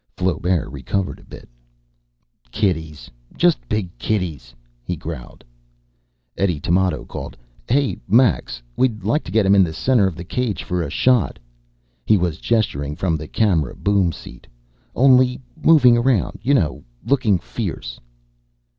Flaubert recovered a bit. "Kitties, just big kitties," he growled. Eddie Tamoto called, "Hey, Max, we'd like to get 'em in the center of the cage for a shot." He was gesturing from the camera boom seat. "Only moving around. You know looking fierce."